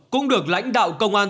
cũng được lãnh đạo công an